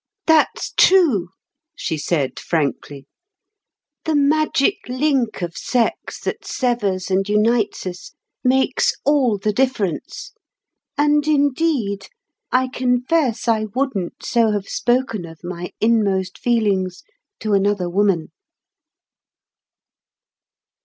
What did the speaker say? "That's true," she said frankly. "The magic link of sex that severs and unites us makes all the difference. And, indeed, I confess I wouldn't so have spoken of my inmost feelings to another woman."